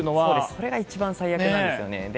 それが一番最悪なんですよね。